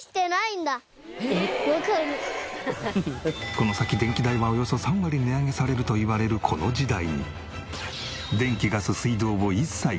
この先電気代はおよそ３割値上げされるといわれるこの時代に電気ガス水道を一切契約せず。